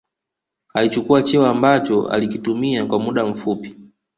alichukua cheo ambacho alikitumia kwa muda mfupi